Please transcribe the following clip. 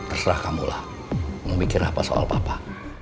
ini semua terjadi karena amnisi papa